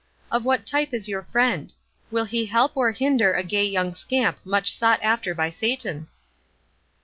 Of what type is your friend? Will he help or hinder a gay young scamp much sought after by Satan?"